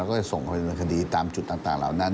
แล้วก็จะส่งไปดำเนินคดีตามจุดต่างเหล่านั้น